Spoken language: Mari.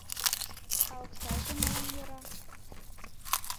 — А оксаже молан йӧра?